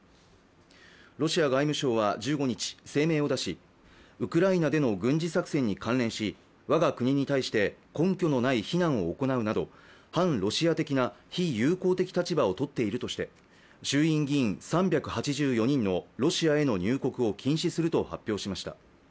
ロシア外務省は１５日声明を出しウクライナでの軍事作戦に関連し、我が国に対して根拠のない非難を行うなど、反ロシア的な非友好的立場をとっているとして衆院議員３８４人のロシアへの入国を禁止すると発表しました。